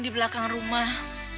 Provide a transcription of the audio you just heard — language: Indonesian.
di belakang rumah